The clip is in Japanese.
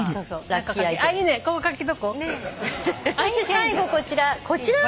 最後こちら。